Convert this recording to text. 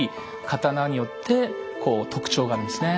刀によってこう特徴があるんですね。